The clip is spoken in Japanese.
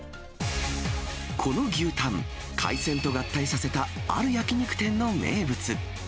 この牛タン、海鮮と合体させたある焼き肉店の名物。